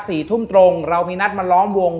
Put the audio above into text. สี่ทุ่มตรงเรามีนัดมาล้อมวง